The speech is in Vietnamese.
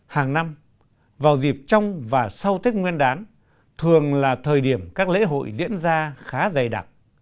hàng năm vào dịp trong và sau tết nguyên đán thường là thời điểm các lễ hội diễn ra khá dày đặc